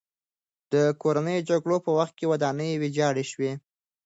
د کورنیو جګړو په وخت کې ودانۍ ویجاړه شوې.